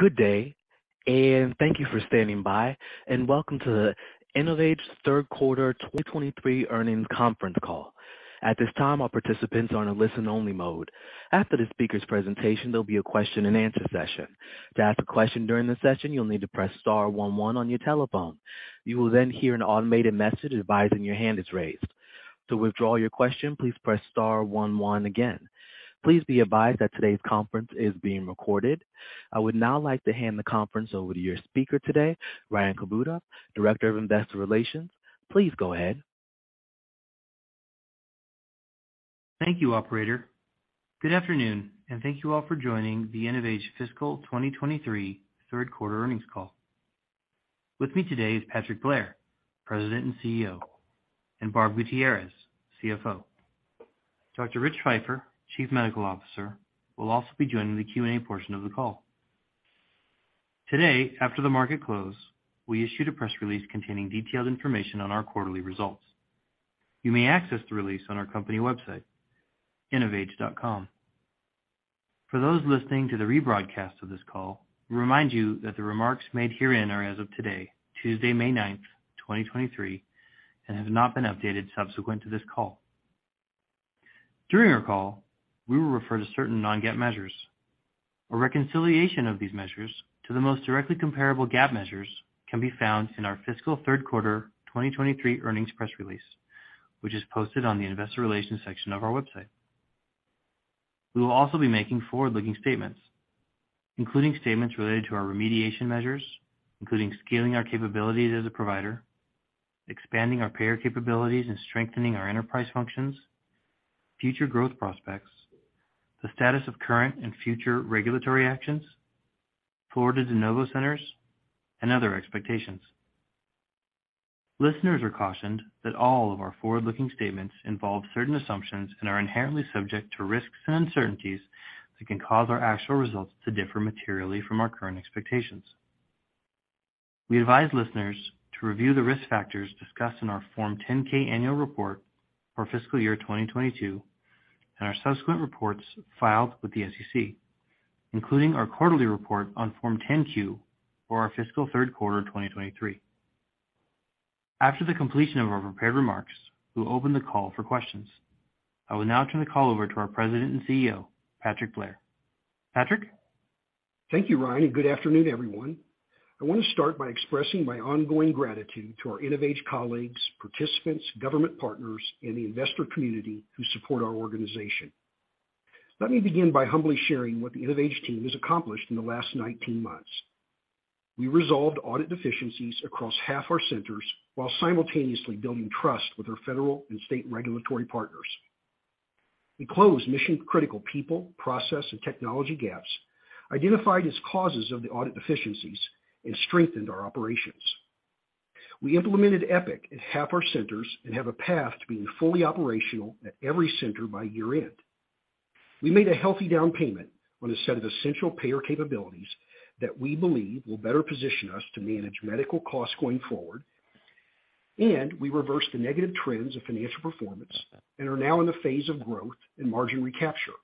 Good day. Thank you for standing by. Welcome to the InnovAge Q3 2023 Earnings Conference Call. At this time, all participants are on a listen-only mode. After the speaker's presentation, there'll be a question-and-answer session. To ask a question during the session, you'll need to press star one one on your telephone. You will hear an automated message advising your hand is raised. To withdraw your question, please press star one one again. Please be advised that today's conference is being recorded. I would now like to hand the conference over to your speaker today, Ryan Kubota, Director of Investor Relations. Please go ahead. Thank you, operator. Good afternoon, thank you all for joining the InnovAge Fiscal 2023 Q3 earnings call. With me today is Patrick Blair, President and CEO, and Barb Gutierrez, CFO. Dr. Rich Feifer, Chief Medical Officer, will also be joining the Q&A portion of the call. Today, after the market close, we issued a press release containing detailed information on our quarterly results. You may access the release on our company website, innovage.com. For those listening to the rebroadcast of this call, we remind you that the remarks made herein are as of today, Tuesday, May 9th, 2023, and have not been updated subsequent to this call. During our call, we will refer to certain non-GAAP measures. A reconciliation of these measures to the most directly comparable GAAP measures can be found in our fiscal Q3 2023 earnings press release, which is posted on the investor relations section of our website. We will also be making forward-looking statements, including statements related to our remediation measures, including scaling our capabilities as a provider, expanding our payer capabilities, and strengthening our enterprise functions, future growth prospects, the status of current and future regulatory actions, Florida de novo centers, and other expectations. Listeners are cautioned that all of our forward-looking statements involve certain assumptions and are inherently subject to risks and uncertainties that can cause our actual results to differ materially from our current expectations. We advise listeners to review the risk factors discussed in our Form 10-K annual report for fiscal year 2022 and our subsequent reports filed with the SEC, including our quarterly report on Form 10-Q for our fiscal Q3 2023. After the completion of our prepared remarks, we'll open the call for questions. I will now turn the call over to our President and CEO, Patrick Blair. Patrick. Thank you, Ryan, and good afternoon, everyone. I want to start by expressing my ongoing gratitude to our InnovAge colleagues, participants, government partners, and the investor community who support our organization. Let me begin by humbly sharing what the InnovAge team has accomplished in the last 19 months. We resolved audit deficiencies across half our centers while simultaneously building trust with our federal and state regulatory partners. We closed mission-critical people, process, and technology gaps identified as causes of the audit deficiencies and strengthened our operations. We implemented Epic at half our centers and have a path to being fully operational at every center by year-end. We made a healthy down payment on a set of essential payer capabilities that we believe will better position us to manage medical costs going forward. We reversed the negative trends of financial performance and are now in a phase of growth and margin recapture.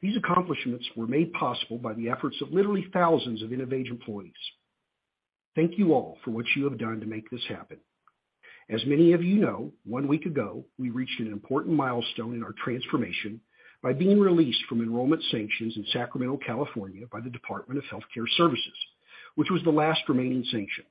These accomplishments were made possible by the efforts of literally thousands of InnovAge employees. Thank you all for what you have done to make this happen. As many of you know, one week ago, we reached an important milestone in our transformation by being released from enrollment sanctions in Sacramento, California, by the Department of Health Care Services, which was the last remaining sanction.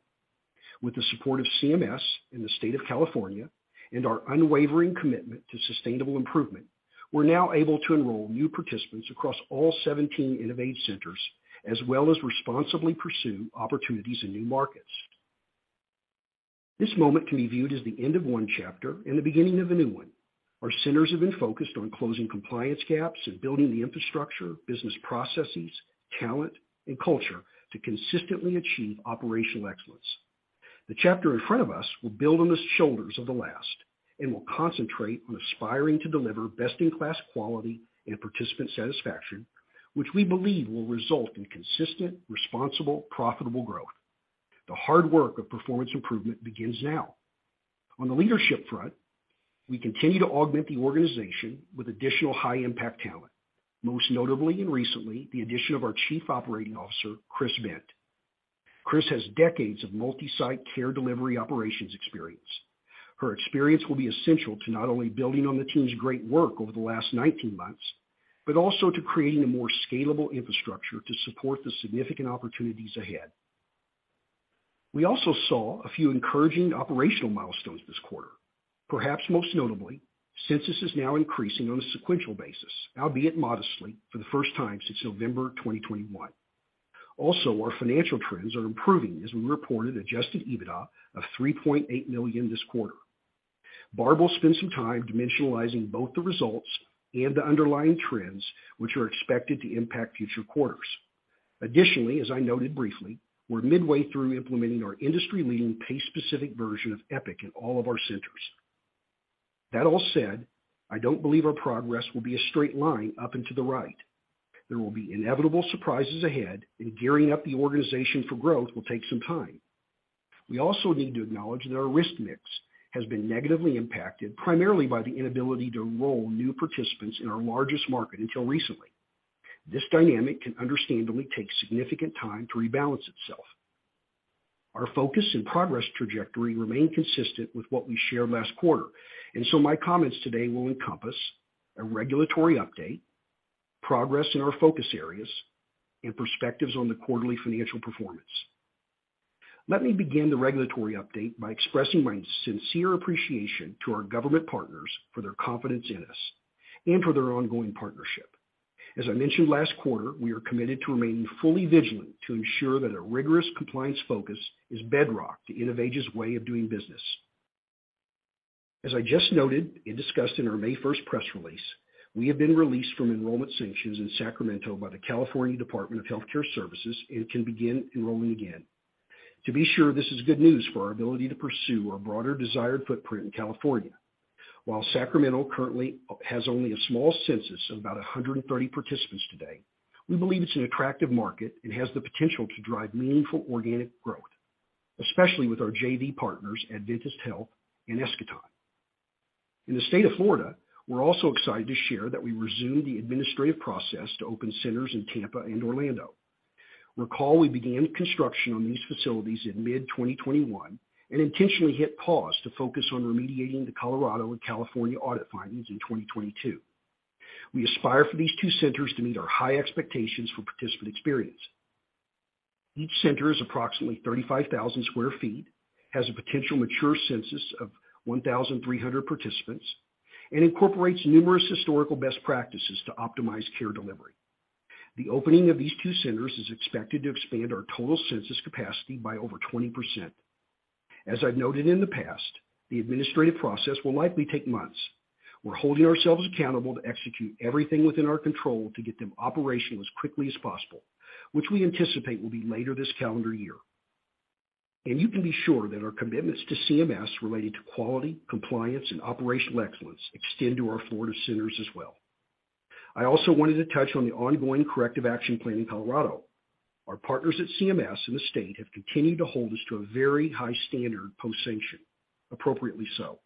With the support of CMS in the state of California and our unwavering commitment to sustainable improvement, we're now able to enroll new participants across all 17 InnovAge centers, as well as responsibly pursue opportunities in new markets. This moment can be viewed as the end of one chapter and the beginning of a new one. Our centers have been focused on closing compliance gaps and building the infrastructure, business processes, talent, and culture to consistently achieve operational excellence. The chapter in front of us will build on the shoulders of the last and will concentrate on aspiring to deliver best-in-class quality and participant satisfaction, which we believe will result in consistent, responsible, profitable growth. The hard work of performance improvement begins now. On the leadership front, we continue to augment the organization with additional high-impact talent, most notably and recently, the addition of our Chief Operating Officer, Chris Bent. Chris has decades of multi-site care delivery operations experience. Her experience will be essential to not only building on the team's great work over the last 19 months, but also to creating a more scalable infrastructure to support the significant opportunities ahead. We also saw a few encouraging operational milestones this quarter. Perhaps most notably, census is now increasing on a sequential basis, albeit modestly, for the first time since November 2021. Our financial trends are improving as we reported adjusted EBITDA of $3.8 million this quarter. Barb will spend some time dimensionalizing both the results and the underlying trends which are expected to impact future quarters. As I noted briefly, we're midway through implementing our industry-leading PACE-specific version of Epic in all of our centers. That all said, I don't believe our progress will be a straight line up and to the right. There will be inevitable surprises ahead, and gearing up the organization for growth will take some time. We also need to acknowledge that our risk mix has been negatively impacted primarily by the inability to enroll new participants in our largest market until recently. This dynamic can understandably take significant time to rebalance itself. Our focus and progress trajectory remain consistent with what we shared last quarter. My comments today will encompass a regulatory update, progress in our focus areas, and perspectives on the quarterly financial performance. Let me begin the regulatory update by expressing my sincere appreciation to our government partners for their confidence in us and for their ongoing partnership. As I mentioned last quarter, we are committed to remaining fully vigilant to ensure that a rigorous compliance focus is bedrock to InnovAge's way of doing business. As I just noted and discussed in our May first press release, we have been released from enrollment sanctions in Sacramento by the California Department of Health Care Services and can begin enrolling again. To be sure this is good news for our ability to pursue our broader desired footprint in California. Sacramento currently has only a small census of about 130 participants today, we believe it's an attractive market and has the potential to drive meaningful organic growth, especially with our JV partners, Adventist Health and Eskaton. In the state of Florida, we're also excited to share that we resumed the administrative process to open centers in Tampa and Orlando. Recall we began construction on these facilities in mid-2021 and intentionally hit pause to focus on remediating the Colorado and California audit findings in 2022. We aspire for these 2 centers to meet our high expectations for participant experience. Each center is approximately 35,000 sq ft, has a potential mature census of 1,300 participants, and incorporates numerous historical best practices to optimize care delivery. The opening of these 2 centers is expected to expand our total census capacity by over 20%. As I've noted in the past, the administrative process will likely take months. We're holding ourselves accountable to execute everything within our control to get them operational as quickly as possible, which we anticipate will be later this calendar year. You can be sure that our commitments to CMS related to quality, compliance, and operational excellence extend to our Florida centers as well. I also wanted to touch on the ongoing corrective action plan in Colorado. Our partners at CMS in the state have continued to hold us to a very high standard post-sanction, appropriately so.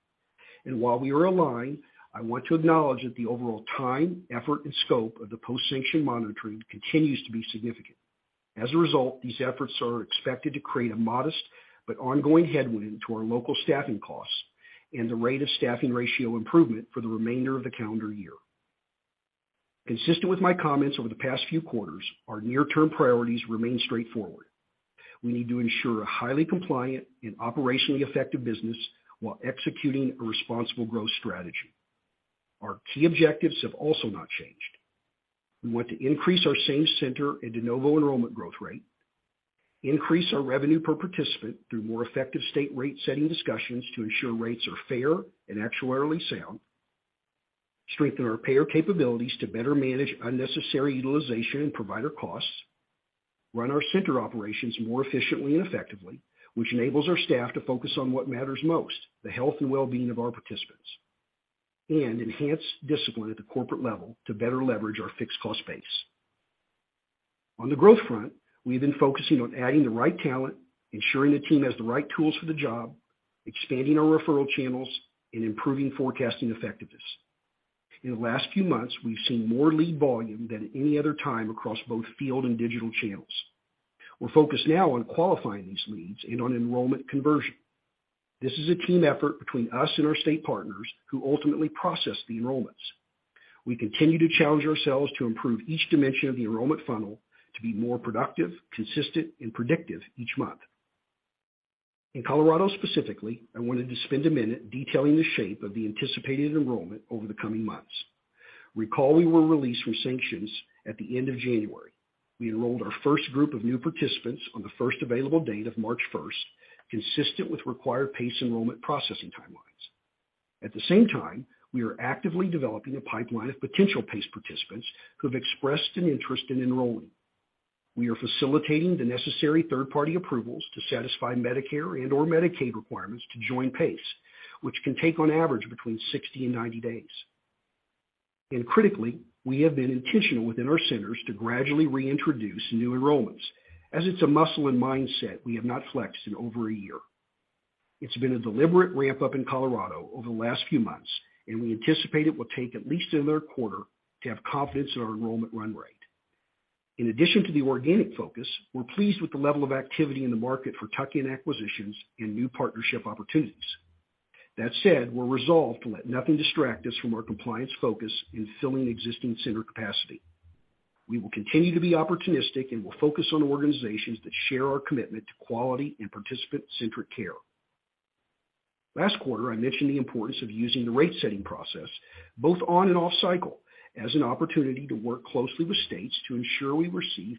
While we are aligned, I want to acknowledge that the overall time, effort, and scope of the post-sanction monitoring continues to be significant. As a result, these efforts are expected to create a modest but ongoing headwind to our local staffing costs and the rate of staffing ratio improvement for the remainder of the calendar year. Consistent with my comments over the past few quarters, our near-term priorities remain straightforward. We need to ensure a highly compliant and operationally effective business while executing a responsible growth strategy. Our key objectives have also not changed. We want to increase our same-center and de novo enrollment growth rate, increase our revenue per participant through more effective state rate-setting discussions to ensure rates are fair and actuarially sound, strengthen our payer capabilities to better manage unnecessary utilization and provider costs, run our center operations more efficiently and effectively, which enables our staff to focus on what matters most, the health and well-being of our participants. Enhance discipline at the corporate level to better leverage our fixed cost base. On the growth front, we have been focusing on adding the right talent, ensuring the team has the right tools for the job, expanding our referral channels, and improving forecasting effectiveness. In the last few months, we've seen more lead volume than any other time across both field and digital channels. We're focused now on qualifying these leads and on enrollment conversion. This is a team effort between us and our state partners who ultimately process the enrollments. We continue to challenge ourselves to improve each dimension of the enrollment funnel to be more productive, consistent, and predictive each month. In Colorado specifically, I wanted to spend a minute detailing the shape of the anticipated enrollment over the coming months. Recall we were released from sanctions at the end of January. We enrolled our 1st group of new participants on the 1st available date of March 1st, consistent with required PACE enrollment processing timelines. At the same time, we are actively developing a pipeline of potential PACE participants who have expressed an interest in enrolling. We are facilitating the necessary third-party approvals to satisfy Medicare and/or Medicaid requirements to join PACE, which can take on average between 60 and 90 days. Critically, we have been intentional within our centers to gradually reintroduce new enrollments, as it's a muscle and mindset we have not flexed in over a year. It's been a deliberate ramp-up in Colorado over the last few months, and we anticipate it will take at least another quarter to have confidence in our enrollment run rate. In addition to the organic focus, we're pleased with the level of activity in the market for tuck-in acquisitions and new partnership opportunities. That said, we're resolved to let nothing distract us from our compliance focus in filling existing center capacity. We will continue to be opportunistic and will focus on organizations that share our commitment to quality and participant-centric care. Last quarter, I mentioned the importance of using the rate-setting process both on and off cycle as an opportunity to work closely with states to ensure we receive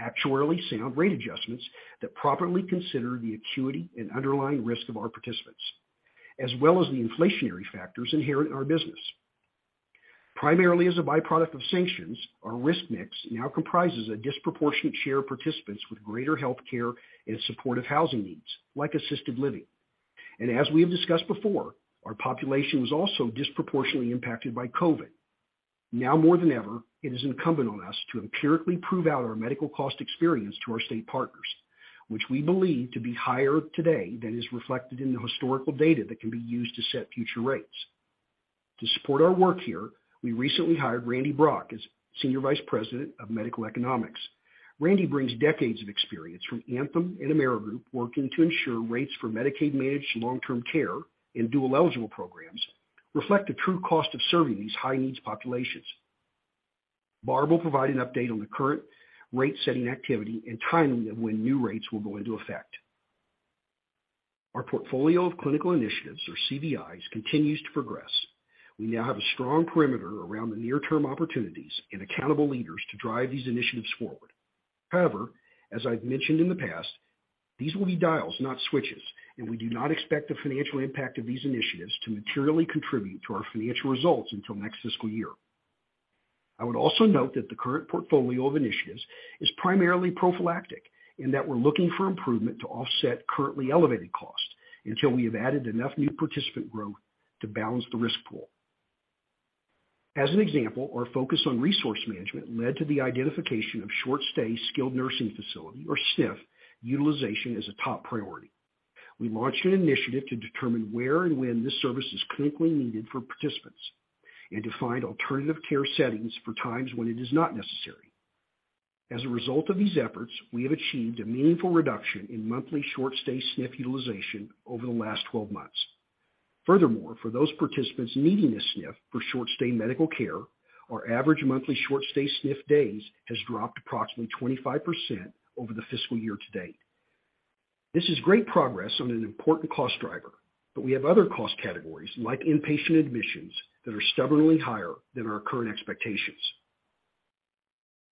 actuarially sound rate adjustments that properly consider the acuity and underlying risk of our participants, as well as the inflationary factors inherent in our business. Primarily as a byproduct of sanctions, our risk mix now comprises a disproportionate share of participants with greater healthcare and supportive housing needs, like assisted living. As we have discussed before, our population was also disproportionately impacted by COVID. Now more than ever, it is incumbent on us to empirically prove out our medical cost experience to our state partners, which we believe to be higher today than is reflected in the historical data that can be used to set future rates. To support our work here, we recently hired Randy Brock as Senior Vice President of Medical Economics. Randy brings decades of experience from Anthem and Amerigroup working to ensure rates for Medicaid managed long-term care and dual-eligible programs reflect the true cost of serving these high-needs populations. Barb will provide an update on the current rate-setting activity and timing of when new rates will go into effect. Our portfolio of clinical initiatives, or CBIs, continues to progress. We now have a strong perimeter around the near-term opportunities and accountable leaders to drive these initiatives forward. However, as I've mentioned in the past, these will be dials, not switches, and we do not expect the financial impact of these initiatives to materially contribute to our financial results until next fiscal year. I would also note that the current portfolio of initiatives is primarily prophylactic and that we're looking for improvement to offset currently elevated costs until we have added enough new participant growth to balance the risk pool. As an example, our focus on resource management led to the identification of short-stay skilled nursing facility, or SNF, utilization as a top priority. We launched an initiative to determine where and when this service is clinically needed for participants and to find alternative care settings for times when it is not necessary. As a result of these efforts, we have achieved a meaningful reduction in monthly short-stay SNF utilization over the last 12 months. Furthermore, for those participants needing a SNF for short-stay medical care, our average monthly short-stay SNF days has dropped approximately 25% over the fiscal year to date. This is great progress on an important cost driver, but we have other cost categories, like inpatient admissions, that are stubbornly higher than our current expectations.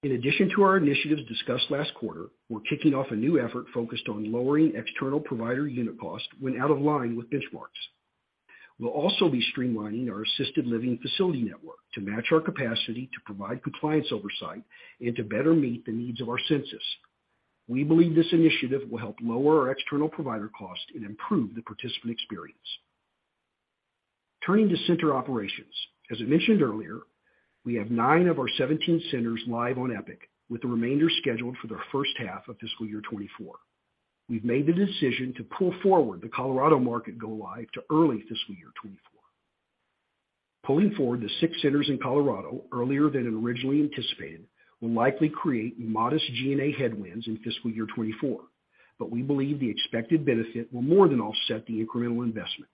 In addition to our initiatives discussed last quarter, we're kicking off a new effort focused on lowering external provider unit costs when out of line with benchmarks. We'll also be streamlining our assisted living facility network to match our capacity to provide compliance oversight and to better meet the needs of our census. We believe this initiative will help lower our external provider costs and improve the participant experience. Turning to center operations. As I mentioned earlier, we have 9 of our 17 centers live on Epic, with the remainder scheduled for the first half of fiscal year 2024. We've made the decision to pull forward the Colorado market go live to early fiscal year 2024. Pulling forward the 6 centers in Colorado earlier than originally anticipated will likely create modest G&A headwinds in fiscal year 2024, but we believe the expected benefit will more than offset the incremental investment.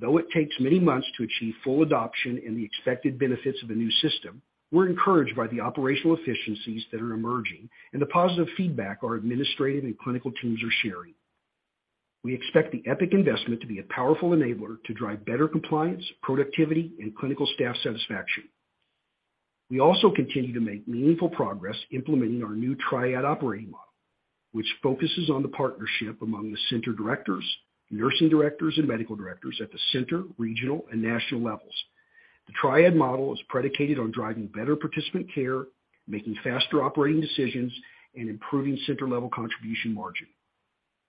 Though it takes many months to achieve full adoption and the expected benefits of a new system, we're encouraged by the operational efficiencies that are emerging and the positive feedback our administrative and clinical teams are sharing. We expect the Epic investment to be a powerful enabler to drive better compliance, productivity, and clinical staff satisfaction. We also continue to make meaningful progress implementing our new Triad operating model, which focuses on the partnership among the center directors, nursing directors, and medical directors at the center, regional, and national levels. The Triad model is predicated on driving better participant care, making faster operating decisions, and improving center-level contribution margin.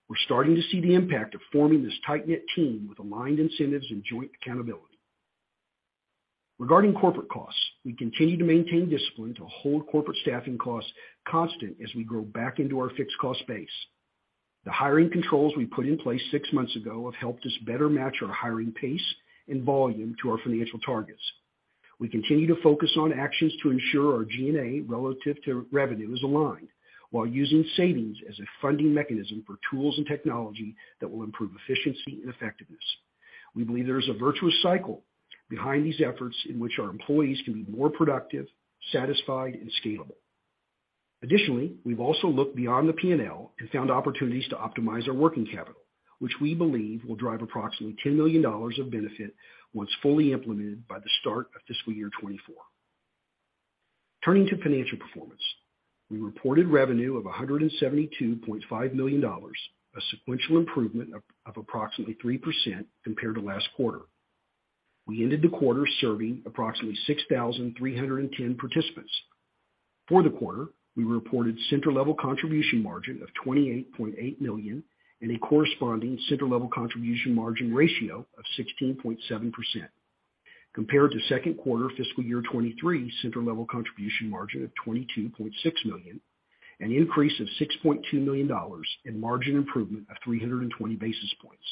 We're starting to see the impact of forming this tight-knit team with aligned incentives and joint accountability. Regarding corporate costs, we continue to maintain discipline to hold corporate staffing costs constant as we grow back into our fixed cost base. The hiring controls we put in place six months ago have helped us better match our hiring pace and volume to our financial targets. We continue to focus on actions to ensure our G&A relative to revenue is aligned while using savings as a funding mechanism for tools and technology that will improve efficiency and effectiveness. We believe there is a virtuous cycle behind these efforts in which our employees can be more productive, satisfied, and scalable. We've also looked beyond the P&L and found opportunities to optimize our working capital, which we believe will drive approximately $10 million of benefit once fully implemented by the start of fiscal year 2024. Turning to financial performance, we reported revenue of $172.5 million, a sequential improvement of approximately 3% compared to last quarter. We ended the quarter serving approximately 6,310 participants. For the quarter, we reported center-level contribution margin of $28.8 million and a corresponding center-level contribution margin ratio of 16.7% compared to Q2 fiscal year 2023 center-level contribution margin of $22.6 million, an increase of $6.2 million and margin improvement of 320 basis points.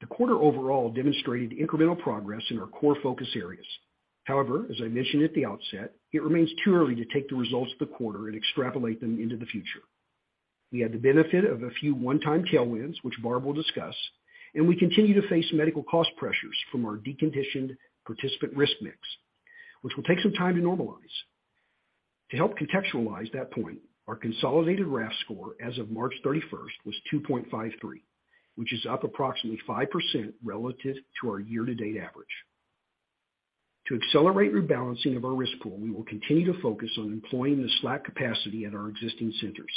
The quarter overall demonstrated incremental progress in our core focus areas. However, as I mentioned at the outset, it remains too early to take the results of the quarter and extrapolate them into the future. We had the benefit of a few one-time tailwinds, which Barb will discuss, and we continue to face medical cost pressures from our deconditioned participant risk mix, which will take some time to normalize. To help contextualize that point, our consolidated RAF score as of March 31st was 2.53, which is up approximately 5% relative to our year-to-date average. To accelerate rebalancing of our risk pool, we will continue to focus on employing the slack capacity at our existing centers,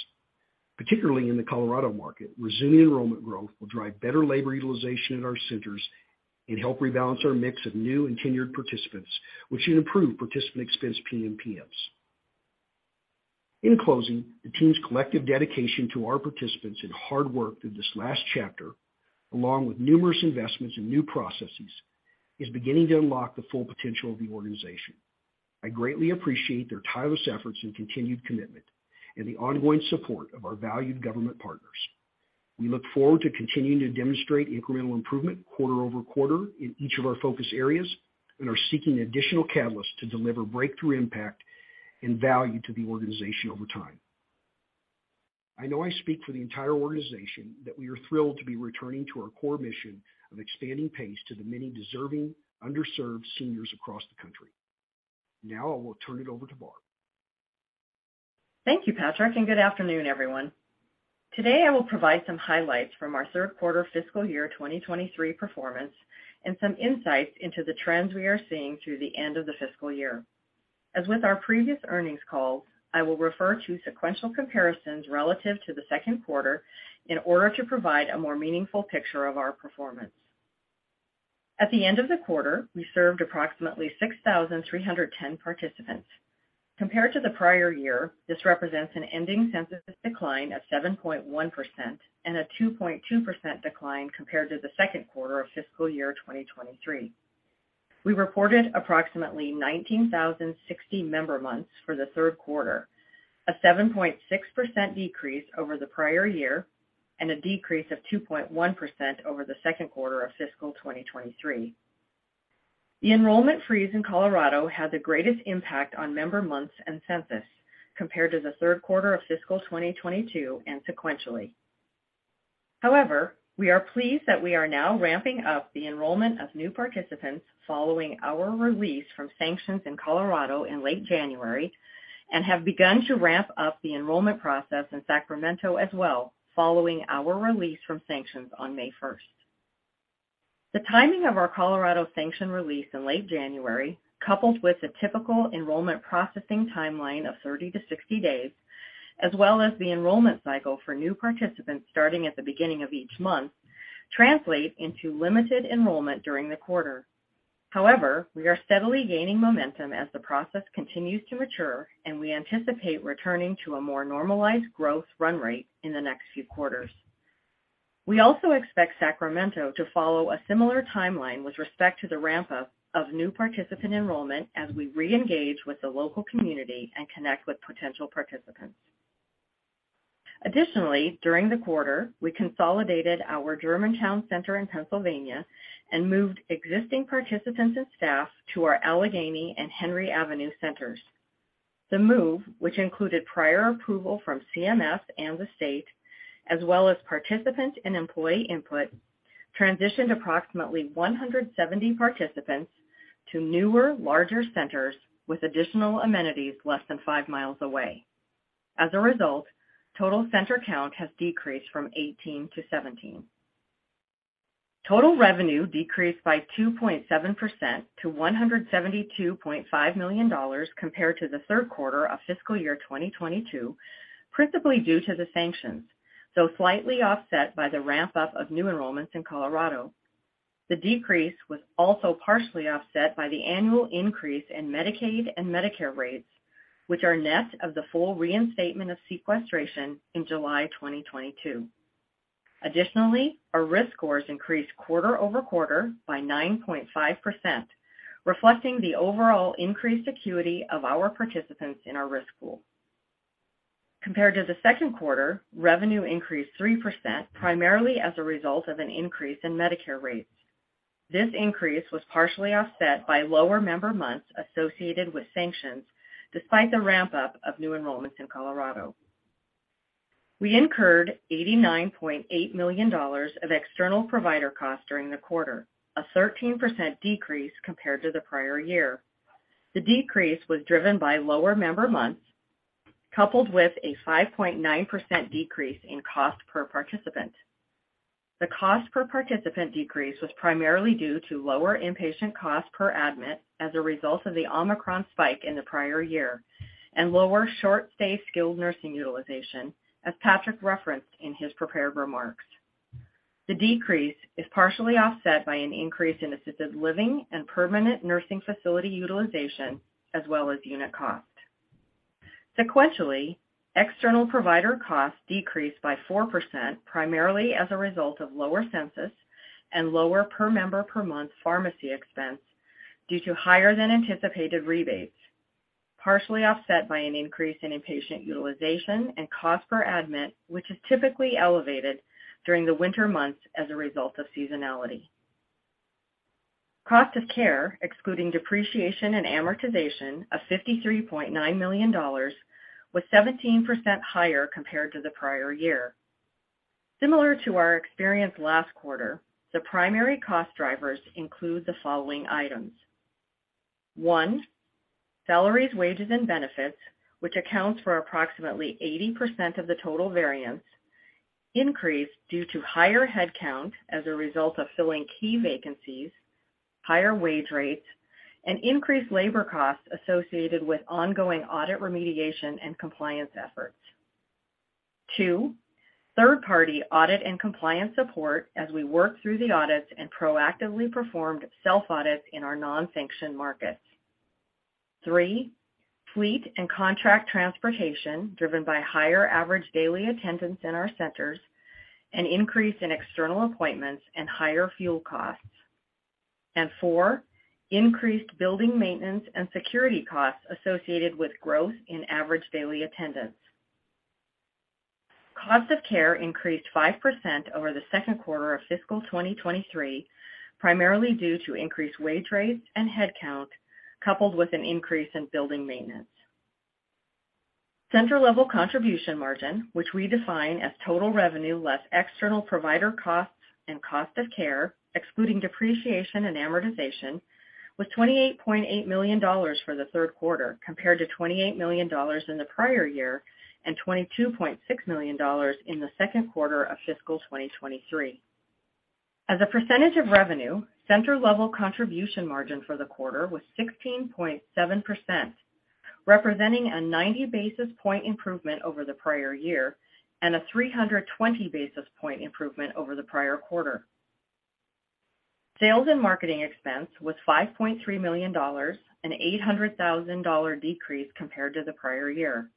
particularly in the Colorado market, where resilient enrollment growth will drive better labor utilization at our centers and help rebalance our mix of new and tenured participants, which should improve participant expense PMPMs. In closing, the team's collective dedication to our participants and hard work through this last chapter, along with numerous investments in new processes, is beginning to unlock the full potential of the organization. I greatly appreciate their tireless efforts and continued commitment and the ongoing support of our valued government partners. We look forward to continuing to demonstrate incremental improvement quarter-over-quarter in each of our focus areas, and are seeking additional catalysts to deliver breakthrough impact and value to the organization over time. I know I speak for the entire organization that we are thrilled to be returning to our core mission of expanding PACE to the many deserving, underserved seniors across the country. Now I will turn it over to Barb. Thank you, Patrick. Good afternoon, everyone. Today, I will provide some highlights from our Q3 fiscal year 2023 performance and some insights into the trends we are seeing through the end of the fiscal year. As with our previous earnings calls, I will refer to sequential comparisons relative to the Q2 in order to provide a more meaningful picture of our performance. At the end of the quarter, we served approximately 6,310 participants. Compared to the prior year, this represents an ending census decline of 7.1% and a 2.2% decline compared to the Q2 of fiscal year 2023. We reported approximately 19,060 member months for the Q3, a 7.6% decrease over the prior year and a decrease of 2.1% over the Q2 of fiscal 2023. The enrollment freeze in Colorado had the greatest impact on member months and census compared to the Q3 of fiscal 2022 and sequentially. We are pleased that we are now ramping up the enrollment of new participants following our release from sanctions in Colorado in late January and have begun to ramp up the enrollment process in Sacramento as well, following our release from sanctions on May 1st. The timing of our Colorado sanction release in late January, coupled with the typical enrollment processing timeline of 30-60 days, as well as the enrollment cycle for new participants starting at the beginning of each month, translate into limited enrollment during the quarter. However, we are steadily gaining momentum as the process continues to mature and we anticipate returning to a more normalized growth run rate in the next few quarters. We also expect Sacramento to follow a similar timeline with respect to the ramp-up of new participant enrollment as we reengage with the local community and connect with potential participants. Additionally, during the quarter, we consolidated our Germantown center in Pennsylvania and moved existing participants and staff to our Allegheny and Henry Avenue centers. The move, which included prior approval from CMS and the state, as well as participants and employee input, transitioned approximately 170 participants to newer, larger centers with additional amenities less than 5 miles away. As a result, total center count has decreased from 18 to 17. Total revenue decreased by 2.7% to $172.5 million compared to the Q3 of fiscal year 2022, principally due to the sanctions, though slightly offset by the ramp-up of new enrollments in Colorado. The decrease was also partially offset by the annual increase in Medicaid and Medicare rates, which are net of the full reinstatement of sequestration in July 2022. Additionally, our risk scores increased quarter-over-quarter by 9.5%, reflecting the overall increased acuity of our participants in our risk pool. Compared to the Q2, revenue increased 3%, primarily as a result of an increase in Medicare rates. This increase was partially offset by lower member months associated with sanctions, despite the ramp-up of new enrollments in Colorado. We incurred $89.8 million of external provider costs during the quarter, a 13% decrease compared to the prior year. The decrease was driven by lower member months, coupled with a 5.9% decrease in cost per participant. The cost per participant decrease was primarily due to lower inpatient cost per admit as a result of the Omicron spike in the prior year and lower short stay skilled nursing utilization, as Patrick referenced in his prepared remarks. The decrease is partially offset by an increase in assisted living and permanent nursing facility utilization, as well as unit cost. Sequentially, external provider costs decreased by 4%, primarily as a result of lower census and lower per member per month pharmacy expense due to higher than anticipated rebates, partially offset by an increase in inpatient utilization and cost per admit, which is typically elevated during the winter months as a result of seasonality. Cost of care, excluding depreciation and amortization of $53.9 million, was 17% higher compared to the prior year. Similar to our experience last quarter, the primary cost drivers include the following items. One, salaries, wages, and benefits, which accounts for approximately 80% of the total variance, increased due to higher headcount as a result of filling key vacancies, higher wage rates, and increased labor costs associated with ongoing audit remediation and compliance efforts. Two, third party audit and compliance support as we work through the audits and proactively performed self-audits in our non-sanctioned markets. Three, fleet and contract transportation driven by higher average daily attendance in our centers, an increase in external appointments and higher fuel costs. Four, increased building maintenance and security costs associated with growth in average daily attendance. Cost of care increased 5% over the Q2 of fiscal 2023, primarily due to increased wage rates and headcount, coupled with an increase in building maintenance. Center level contribution margin, which we define as total revenue less external provider costs and cost of care, excluding depreciation and amortization, was $28.8 million for the Q3, compared to $28 million in the prior year and $22.6 million in the Q2 of fiscal 2023. As a percentage of revenue, center level contribution margin for the quarter was 16.7%, representing a 90 basis point improvement over the prior year and a 320 basis point improvement over the prior quarter. Sales and marketing expense was $5.3 million, an $800,000 decrease compared to the prior year.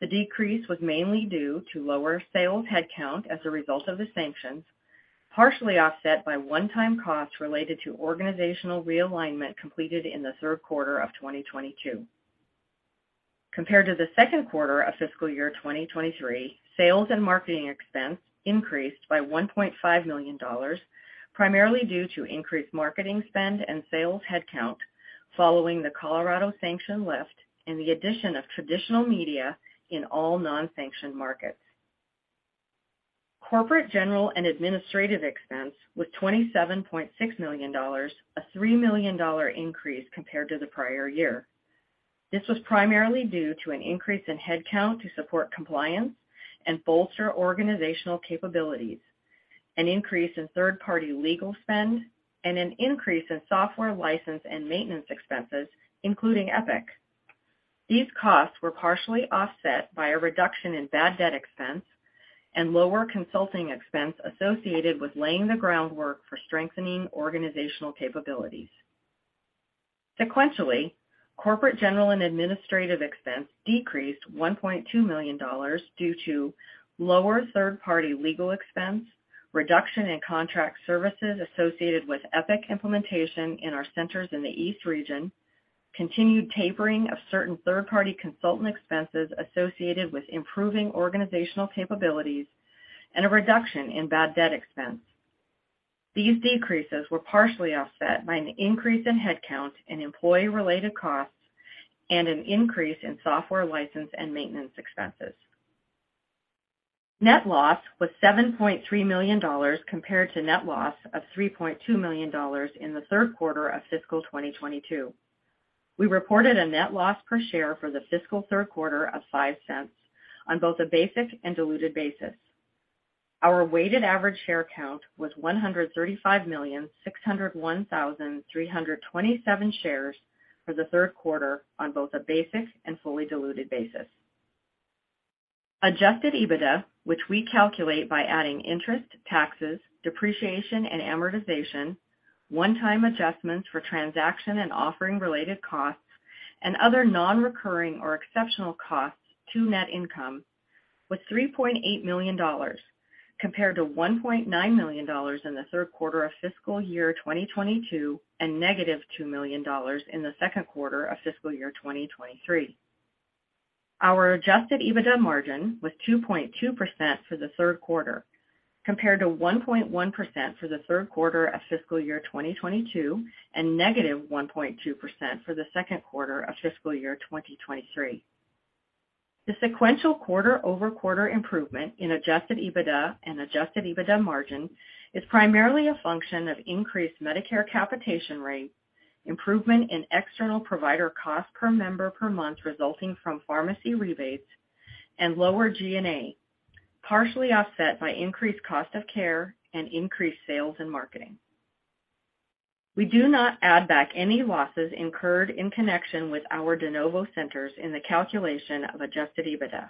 The decrease was mainly due to lower sales headcount as a result of the sanctions, partially offset by one-time costs related to organizational realignment completed in the Q3 of 2022. Compared to the Q2 of fiscal year 2023, sales and marketing expense increased by $1.5 million, primarily due to increased marketing spend and sales headcount following the Colorado sanction lift and the addition of traditional media in all non-sanctioned markets. Corporate general and administrative expense was $27.6 million, a $3 million increase compared to the prior year. This was primarily due to an increase in headcount to support compliance and bolster organizational capabilities, an increase in third-party legal spend, and an increase in software license and maintenance expenses, including Epic. These costs were partially offset by a reduction in bad debt expense and lower consulting expense associated with laying the groundwork for strengthening organizational capabilities. Sequentially, corporate general and administrative expense decreased $1.2 million due to lower third-party legal expense, reduction in contract services associated with Epic implementation in our centers in the East region, continued tapering of certain third-party consultant expenses associated with improving organizational capabilities, and a reduction in bad debt expense. These decreases were partially offset by an increase in headcount and employee-related costs and an increase in software license and maintenance expenses. Net loss was $7.3 million compared to net loss of $3.2 million in the Q3 of fiscal 2022. We reported a net loss per share for the fiscal Q3 of $0.05 on both a basic and diluted basis. Our weighted average share count was 135,601,327 shares for the Q3 on both a basic and fully diluted basis. Adjusted EBITDA, which we calculate by adding interest, taxes, depreciation, and amortization, one-time adjustments for transaction and offering related costs, and other non-recurring or exceptional costs to net income, was $3.8 million compared to $1.9 million in the Q3 of fiscal year 2022 and -$2 million in the Q2 of fiscal year 2023. Our adjusted EBITDA margin was 2.2% for the Q3 compared to 1.1% for the Q3 of fiscal year 2022 and -1.2% for the Q2 of fiscal year 2023. The sequential quarter-over-quarter improvement in adjusted EBITDA and adjusted EBITDA margin is primarily a function of increased Medicare capitation rates, improvement in external provider cost per member per month resulting from pharmacy rebates, and lower G&A, partially offset by increased cost of care and increased sales and marketing. We do not add back any losses incurred in connection with our de novo centers in the calculation of adjusted EBITDA.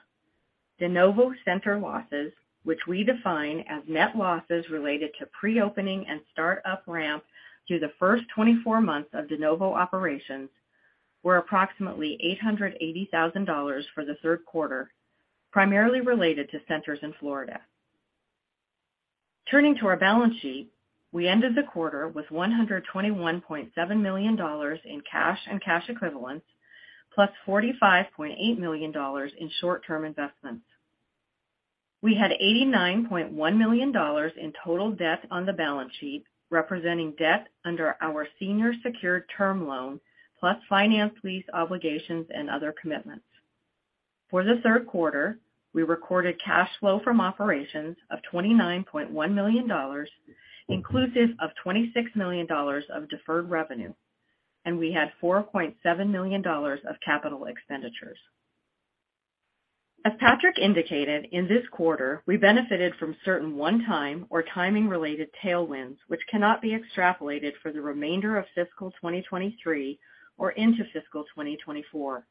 De novo center losses, which we define as net losses related to pre-opening and start-up ramp through the first 24 months of de novo operations, were approximately $880,000 for the Q3, primarily related to centers in Florida. Turning to our balance sheet, we ended the quarter with $121.7 million in cash and cash equivalents, plus $45.8 million in short-term investments. We had $89.1 million in total debt on the balance sheet, representing debt under our senior secured term loan, plus finance lease obligations and other commitments. For the Q3, we recorded cash flow from operations of $29.1 million, inclusive of $26 million of deferred revenue, and we had $4.7 million of capital expenditures. As Patrick indicated, in this quarter, we benefited from certain one-time or timing-related tailwinds, which cannot be extrapolated for the remainder of fiscal 2023 or into fiscal 2024.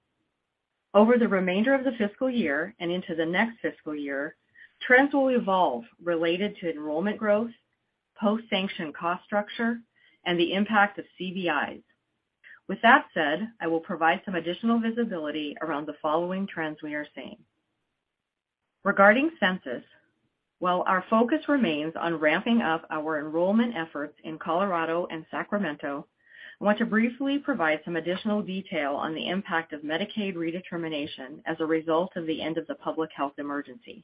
Over the remainder of the fiscal year and into the next fiscal year, trends will evolve related to enrollment growth, post-sanction cost structure, and the impact of CBIs. With that said, I will provide some additional visibility around the following trends we are seeing. Regarding census, while our focus remains on ramping up our enrollment efforts in Colorado and Sacramento, I want to briefly provide some additional detail on the impact of Medicaid redetermination as a result of the end of the public health emergency.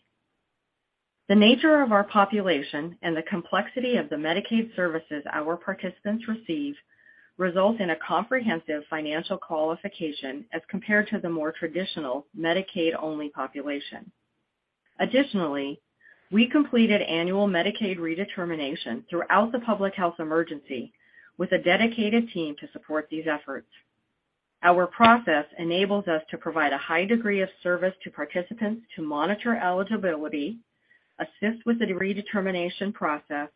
The nature of our population and the complexity of the Medicaid services our participants receive result in a comprehensive financial qualification as compared to the more traditional Medicaid-only population. Additionally, we completed annual Medicaid redetermination throughout the public health emergency with a dedicated team to support these efforts. Our process enables us to provide a high degree of service to participants to monitor eligibility, assist with the redetermination process,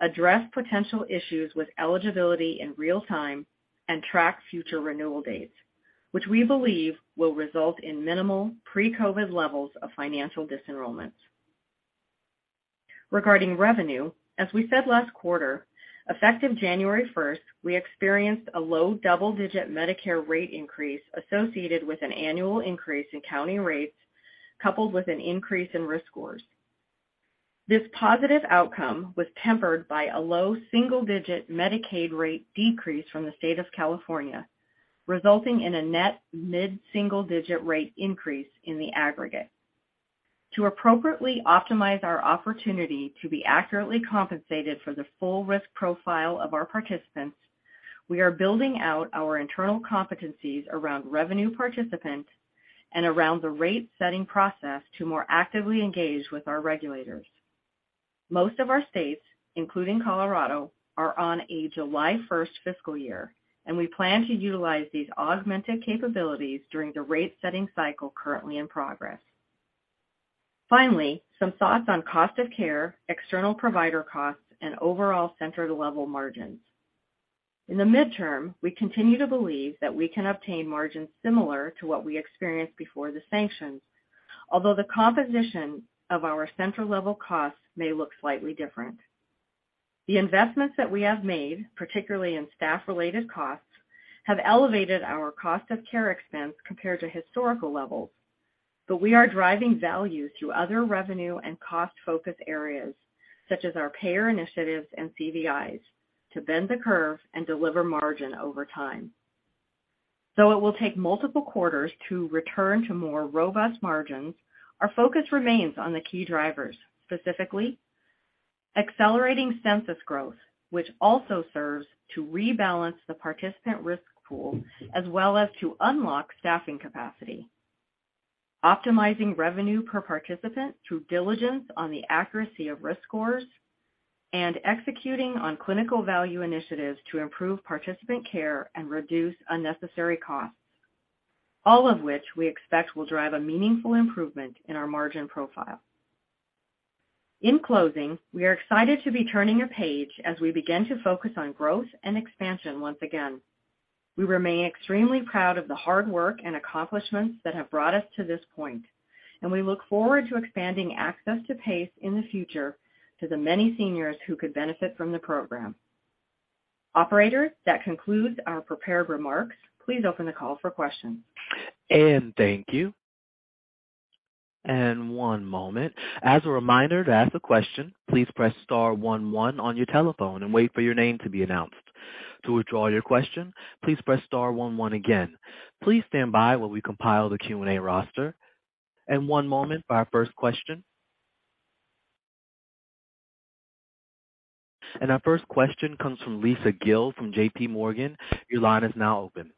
address potential issues with eligibility in real time, and track future renewal dates, which we believe will result in minimal pre-COVID levels of financial disenrollments. Regarding revenue, as we said last quarter, effective January 1st, we experienced a low double-digit Medicare rate increase associated with an annual increase in county rates coupled with an increase in risk scores. This positive outcome was tempered by a low single-digit Medicaid rate decrease from the State of California, resulting in a net mid-single digit rate increase in the aggregate. To appropriately optimize our opportunity to be accurately compensated for the full risk profile of our participants, we are building out our internal competencies around revenue participant and around the rate-setting process to more actively engage with our regulators. Most of our states, including Colorado, are on a July 1st fiscal year. We plan to utilize these augmented capabilities during the rate-setting cycle currently in progress. Some thoughts on cost of care, external provider costs, and overall center level margins. In the midterm, we continue to believe that we can obtain margins similar to what we experienced before the sanctions. Although the composition of our center level costs may look slightly different. The investments that we have made, particularly in staff-related costs, have elevated our cost of care expense compared to historical levels. We are driving value through other revenue and cost focus areas, such as our payer initiatives and CVIs to bend the curve and deliver margin over time. It will take multiple quarters to return to more robust margins, our focus remains on the key drivers, specifically, accelerating census growth, which also serves to rebalance the participant risk pool as well as to unlock staffing capacity, optimizing revenue per participant through diligence on the accuracy of risk scores, and executing on Clinical Value Initiatives to improve participant care and reduce unnecessary costs, all of which we expect will drive a meaningful improvement in our margin profile. In closing, we are excited to be turning a page as we begin to focus on growth and expansion once again. We remain extremely proud of the hard work and accomplishments that have brought us to this point, and we look forward to expanding access to PACE in the future to the many seniors who could benefit from the program. Operator, that concludes our prepared remarks. Please open the call for questions. Thank you. One moment. As a reminder, to ask a question, please press star one one on your telephone and wait for your name to be announced. To withdraw your question, please press star one one again. Please stand by while we compile the Q&A roster. One moment for our first question. Our first question comes from Lisa Gill from JPMorgan. Your line is now open.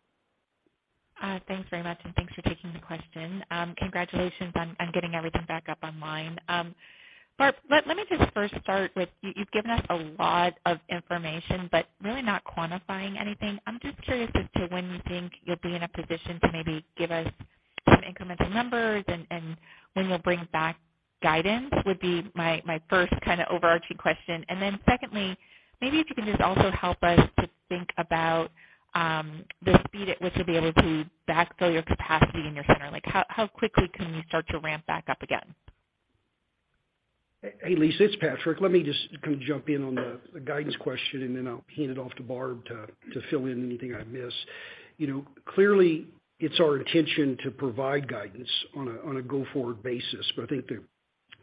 Thanks very much, and thanks for taking the question. Congratulations on getting everything back up online. Barb, let me just first start with you've given us a lot of information, but really not quantifying anything. I'm just curious as to when you think you'll be in a position to maybe give us some incremental numbers and when you'll bring back guidance would be my first kind of overarching question? Secondly, maybe if you can just also help us to think about the speed at which you'll be able to backfill your capacity in your center, like how quickly can you start to ramp back up again? Hey, Lisa, it's Patrick. Let me just kind of jump in on the guidance question, and then I'll hand it off to Barb to fill in anything I miss. You know, clearly it's our intention to provide guidance on a go-forward basis. I think the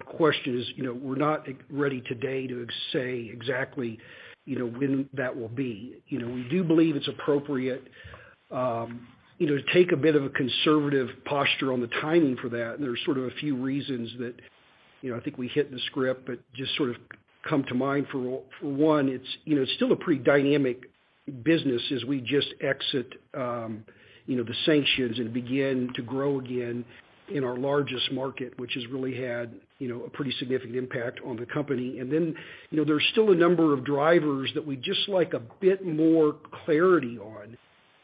question is, you know, we're not ready today to say exactly, you know, when that will be. You know, we do believe it's appropriate, you know, to take a bit of a conservative posture on the timing for that. There's sort of a few reasons that, you know, I think we hit in the script, but just sort of come to mind. For 1, it's, you know, it's still a pretty dynamic business as we just exit, you know, the sanctions and begin to grow again in our largest market, which has really had, you know, a pretty significant impact on the company. And then, you know, there's still a number of drivers that we'd just like a bit more clarity on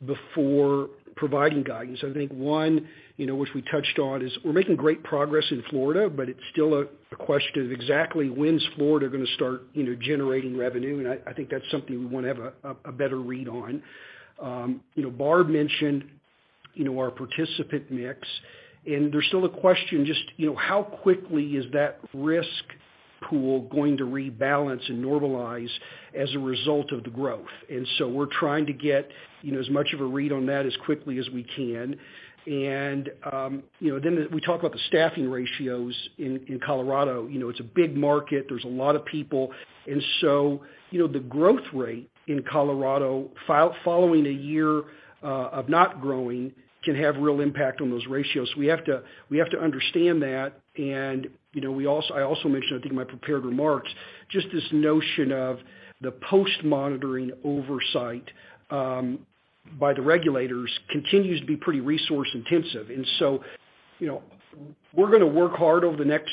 before providing guidance. I think 1, you know, which we touched on is we're making great progress in Florida, but it's still a question of exactly when is Florida gonna start, you know, generating revenue. And I think that's something we wanna have a better read on. You know, Barb mentioned. You know, our participant mix. And there's still a question, just, you know, how quickly is that risk pool going to rebalance and normalize as a result of the growth? We're trying to get, you know, as much of a read on that as quickly as we can. You know, then we talk about the staffing ratios in Colorado. You know, it's a big market. There's a lot of people. You know, the growth rate in Colorado following a year of not growing can have real impact on those ratios. We have to understand that. You know, I also mentioned, I think, my prepared remarks, just this notion of the post-monitoring oversight by the regulators continues to be pretty resource-intensive. You know, we're gonna work hard over the next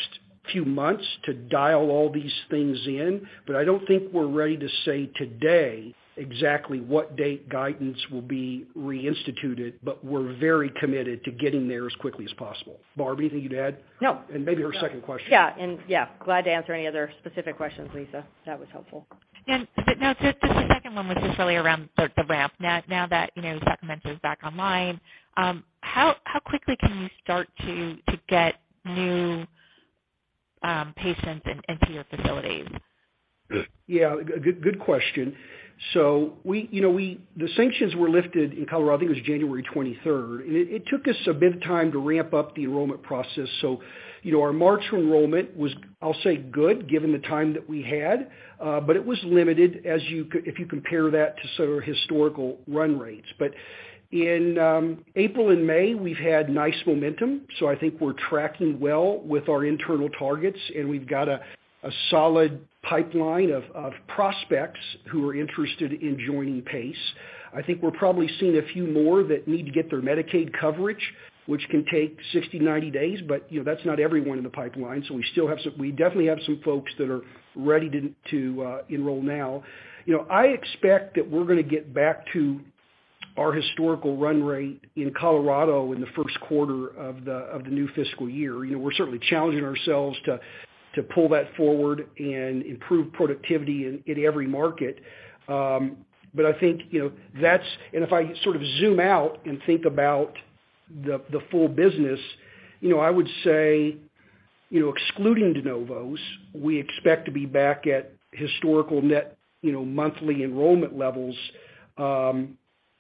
few months to dial all these things in, but I don't think we're ready to say today exactly what date guidance will be reinstituted, but we're very committed to getting there as quickly as possible. Barb, anything you'd add? No. Maybe her second question. Yeah. Yeah, glad to answer any other specific questions, Lisa. That was helpful. Now just the second one was just really around the ramp. Now that, you know, Sacramento is back online, how quickly can you start to get new patients into your facilities? Good question. We, you know, the sanctions were lifted in Colorado, I think it was January 23rd. It took us a bit of time to ramp up the enrollment process. You know, our March enrollment was, I'll say, good given the time that we had, but it was limited as you if you compare that to sort of historical run rates. In April and May, we've had nice momentum, so I think we're tracking well with our internal targets, and we've got a solid pipeline of prospects who are interested in joining PACE. I think we're probably seeing a few more that need to get their Medicaid coverage, which can take 60, 90 days, but, you know, that's not everyone in the pipeline. We still have some folks that are ready to enroll now. You know, I expect that we're gonna get back to our historical run rate in Colorado in the Q1 of the new fiscal year. You know, we're certainly challenging ourselves to pull that forward and improve productivity in every market. I think, you know, if I sort of zoom out and think about the full business, you know, I would say, you know, excluding de novos, we expect to be back at historical net, you know, monthly enrollment levels in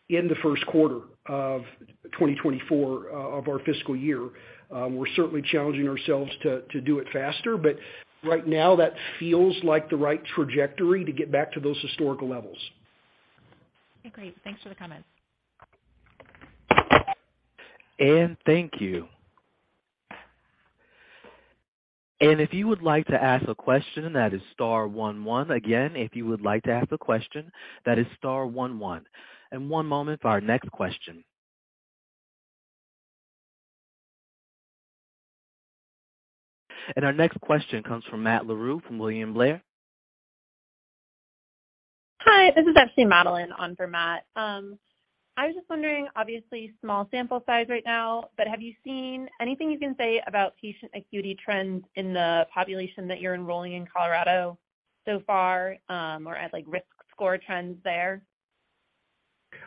the Q1 2024 of our fiscal year. We're certainly challenging ourselves to do it faster, but right now that feels like the right trajectory to get back to those historical levels. Okay, great. Thanks for the comments. Anne, thank you. If you would like to ask a question, that is star one one. Again, if you would like to ask a question, that is star one one. One moment for our next question. Our next question comes from Matt Larew from William Blair. Hi, this is actually Madeline on for Matt. I was just wondering, obviously small sample size right now, but have you seen anything you can say about patient acuity trends in the population that you're enrolling in Colorado so far, or at like risk score trends there?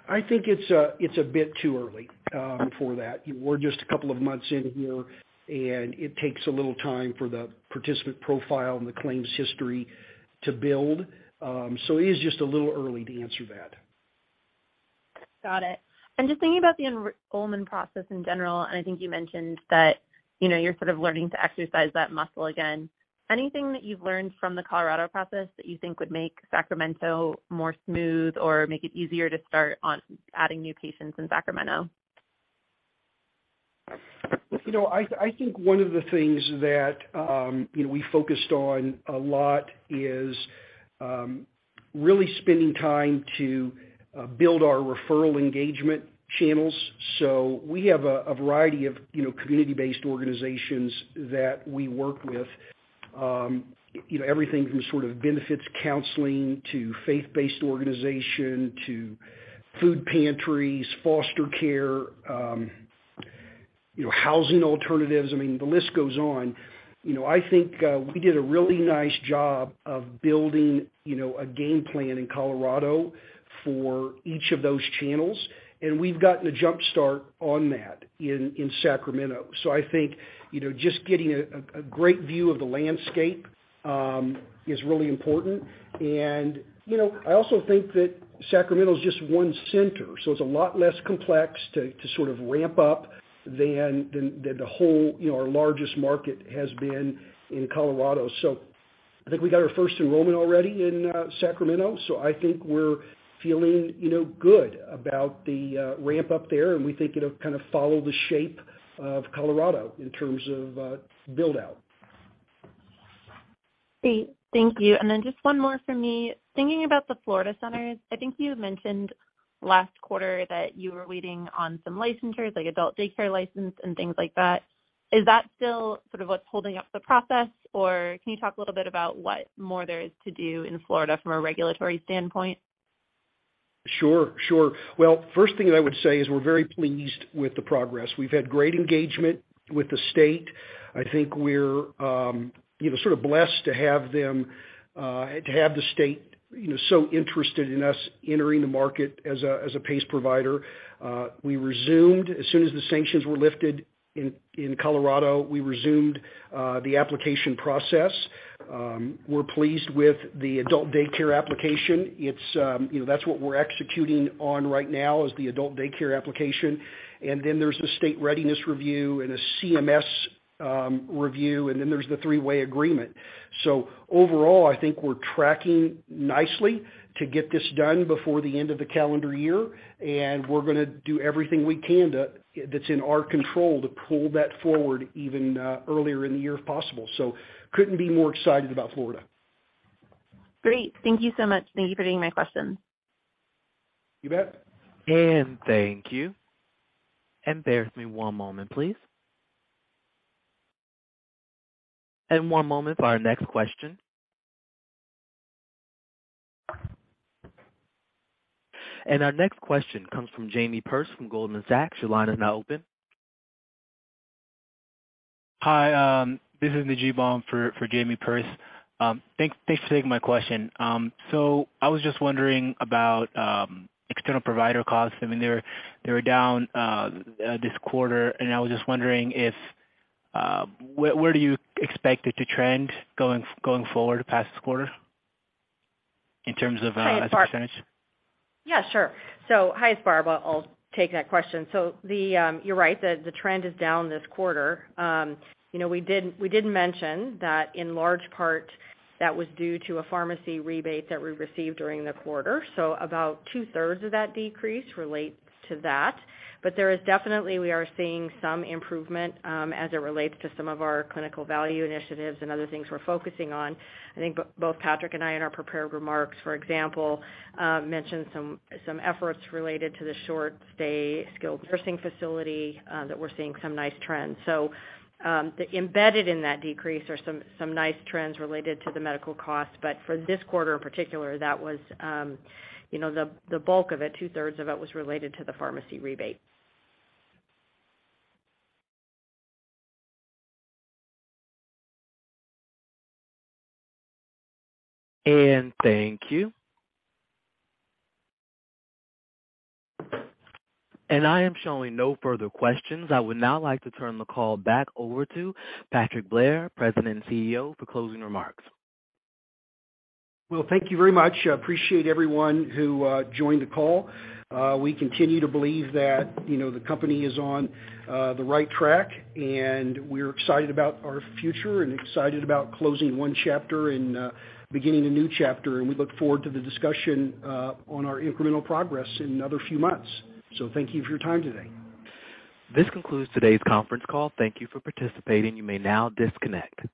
I think it's a bit too early for that. We're just a couple of months in here, and it takes a little time for the participant profile and the claims history to build. It is just a little early to answer that. Got it. Just thinking about the enrollment process in general, and I think you mentioned that, you know, you're sort of learning to exercise that muscle again. Anything that you've learned from the Colorado process that you think would make Sacramento more smooth or make it easier to start on adding new patients in Sacramento? You know, I think one of the things that, you know, we focused on a lot is really spending time to build our referral engagement channels. We have a variety of, you know, community-based organizations that we work with, you know, everything from sort of benefits counseling to faith-based organization to food pantries, foster care, housing alternatives. I mean, the list goes on. You know, I think we did a really nice job of building, you know, a game plan in Colorado for each of those channels, and we've gotten a jump-start on that in Sacramento. I think, you know, just getting a great view of the landscape is really important. You know, I also think that Sacramento is just one center, so it's a lot less complex to sort of ramp up than the whole, you know, our largest market has been in Colorado. I think we got our first enrollment already in Sacramento, so I think we're feeling, you know, good about the ramp-up there, and we think it'll kind of follow the shape of Colorado in terms of build-out. Great. Thank you. Then just one more for me. Thinking about the Florida centers, I think you had mentioned last quarter that you were waiting on some licensures, like adult daycare license and things like that. Is that still sort of what's holding up the process, or can you talk a little bit about what more there is to do in Florida from a regulatory standpoint? Sure, sure. First thing that I would say is we're very pleased with the progress. We've had great engagement with the state. I think we're, you know, sort of blessed to have them, to have the state, you know, so interested in us entering the market as a, as a PACE provider. As soon as the sanctions were lifted in Colorado, we resumed the application process. We're pleased with the adult daycare application. It's, you know, that's what we're executing on right now is the adult daycare application. There's the state readiness review and a CMS review, and then there's the three-way agreement. Overall, I think we're tracking nicely to get this done before the end of the calendar year. We're gonna do everything we can to that's in our control to pull that forward even earlier in the year if possible. Couldn't be more excited about Florida. Great. Thank you so much. Thank you for taking my question. You bet. Thank you. Bear with me one moment, please. One moment for our next question. Our next question comes from Jamie Perse from Goldman Sachs. Your line is now open. Hi, this is Nagee Ibong for Jamie Perse. Thanks for taking my question. I was just wondering about external provider costs. I mean, they were down this quarter, and I was just wondering if where do you expect it to trend going forward past this quarter in terms of as a %? Yeah, sure. Hi, it's Barbara. I'll take that question. You're right, the trend is down this quarter. You know, we did mention that in large part that was due to a pharmacy rebate that we received during the quarter. About two-thirds of that decrease relates to that. There is definitely we are seeing some improvement as it relates to some of our clinical value initiatives and other things we're focusing on. I think both Patrick and I, in our prepared remarks, for example, mentioned some efforts related to the short stay skilled nursing facility that we're seeing some nice trends. Embedded in that decrease are some nice trends related to the medical costs. For this quarter in particular, that was, you know, the bulk of it, two-thirds of it was related to the pharmacy rebate. Thank you. I am showing no further questions. I would now like to turn the call back over to Patrick Blair, President and CEO, for closing remarks. Well, thank you very much. I appreciate everyone who joined the call. We continue to believe that, you know, the company is on the right track, and we're excited about our future and excited about closing one chapter and beginning a new chapter. We look forward to the discussion on our incremental progress in another few months. Thank you for your time today. This concludes today's Conference Call. Thank you for participating. You may now disconnect.